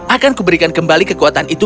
akanku berikan kembali kekuatan itu